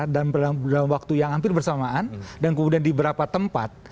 dan dalam waktu yang hampir bersamaan dan kemudian di beberapa tempat